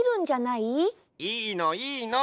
いいのいいの！